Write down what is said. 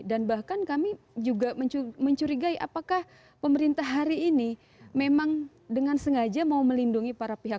dan bahkan kami juga mencurigai apakah pemerintah hari ini memang dengan sengaja mau melindungi para pihak pihak